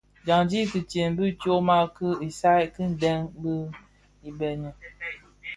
Dyandi itsem bi tyoma ti isaï ki dèň dhi ibëňi.